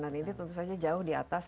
dan itu tentu saja jauh di atas